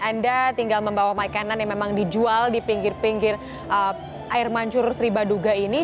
anda tinggal membawa makanan yang memang dijual di pinggir pinggir air mancur sri baduga ini